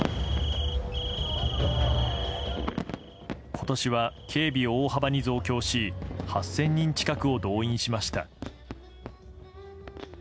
今年は警備を大幅に増強し８０００人近くを動員しました。